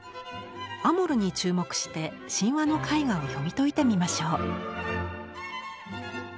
アモルに注目して神話の絵画を読み解いてみましょう。